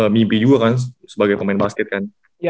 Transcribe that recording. mimpi juga kan sebagai pemain basket kan